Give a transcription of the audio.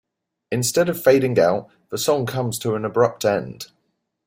Instead of fading out, the song comes to an abrupt end.